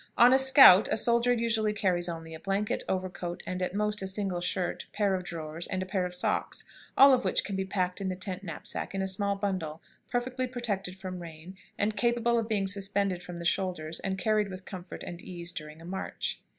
"On a scout a soldier usually carries only a blanket, overcoat, and at most a single shirt, pair of drawers, and a pair of socks, all of which can be packed in the tent knapsack in a small bundle, perfectly protected from rain, and capable of being suspended from the shoulders and carried with comfort and ease during a march.